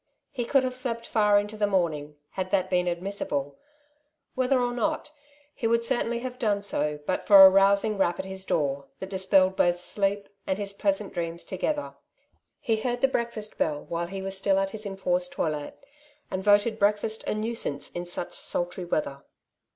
He could have slept far into the morning, had that been admissible ; whether or not, he would certainly have done so but for a rousing rap at his door, that dispelled both sleep and his pleasant dreams together. He heard the breakfast bell while he was still at his enforced toilet, and voted breakfast a nuisance in such sultry weatner.